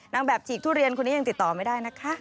แบบฉีกทุเรียนคนนี้ยังติดต่อไม่ได้นะคะ